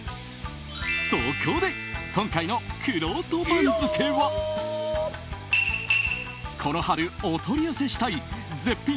そこで、今回のくろうと番付はこの春お取り寄せしたい絶品！